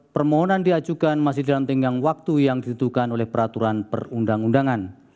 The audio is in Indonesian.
permohonan diajukan masih dalam tenggang waktu yang ditentukan oleh peraturan perundang undangan